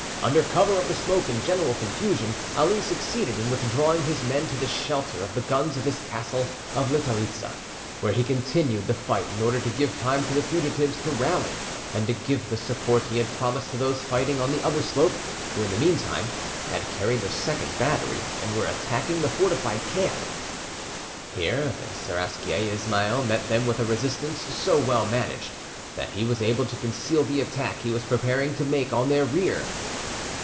Under cover of the smoke and general confusion, Ali succeeded in withdrawing his men to the shelter of the guns of his castle of Litharitza, where he continued the fight in order to give time to the fugitives to rally, and to give the support he had promised to those fighting on the other slope; who, in the meantime, had carried the second battery and were attacking the fortified camp. Here the Seraskier Ismail met them with a resistance so well managed, that he was able to conceal the attack he was preparing to make on their rear.